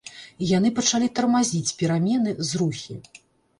І яны пачалі тармазіць перамены, зрухі.